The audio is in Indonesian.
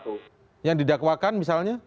tapi yang didakwakan misalnya